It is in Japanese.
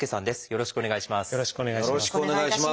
よろしくお願いします。